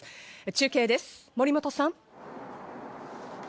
中継です、森本さん。